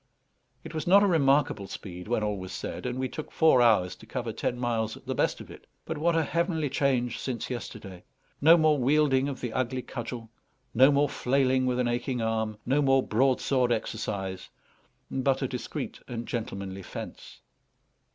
It was not a remarkable speed, when all was said; and we took four hours to cover ten miles at the best of it. But what a heavenly change since yesterday! No more wielding of the ugly cudgel; no more flailing with an aching arm; no more broadsword exercise, but a discreet and gentlemanly fence.